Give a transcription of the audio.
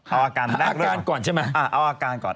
เอาอาการแรกเริ่มก่อนเอาอาการก่อน